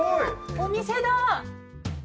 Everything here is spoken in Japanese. お店だ！